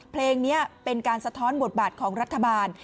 เพลงนี้เป็นการสะท้อนบทบาทของรัฐบาล